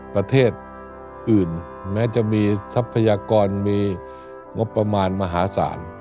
ประเทศอื่นแม้จะมีทรัพยากรมีงบประมาณมหาศาล